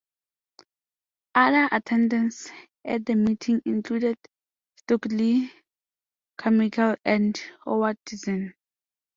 Other attendees at the meeting included Stokely Carmichael and Howard Zinn.